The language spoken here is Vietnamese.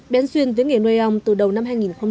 bén duyên với nghề nuôi ong từ đầu năm hai nghìn một mươi tám